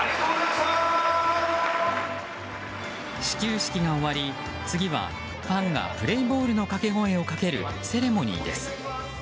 始球式が終わり、次はファンがプレーボールの掛け声をかけるセレモニーです。